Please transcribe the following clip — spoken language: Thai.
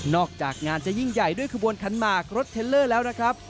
จากงานจะยิ่งใหญ่ด้วยขบวนขันหมากรถเทลเลอร์แล้วนะครับ